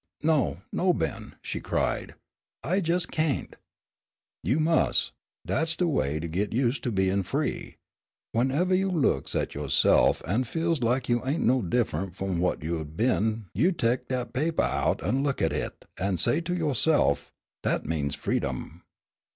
"No, no, Ben!" she cried. "I jes' can't!" "You mus'. Dat's de way to git used to bein' free. Whenevah you looks at yo'se'f an' feels lak you ain' no diff'ent f'om whut you been you tek dat papah out an' look at hit, an' say to yo'se'f, 'Dat means freedom.'"